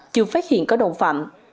chưa phát hiện có đồng phạm